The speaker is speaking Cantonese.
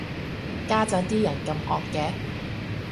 家陣啲人咁惡嘅